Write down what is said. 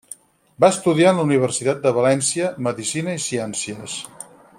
Va estudiar en la Universitat de València, Medicina i Ciències.